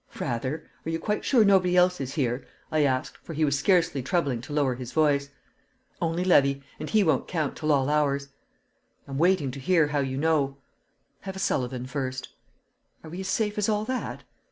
"Rather! Are you quite sure nobody else is here?" I asked, for he was scarcely troubling to lower his voice. "Only Levy, and he won't count till all hours." "I'm waiting to hear how you know." "Have a Sullivan, first." "Are we as safe as all that?"